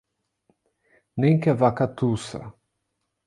Nem que a vaca tussa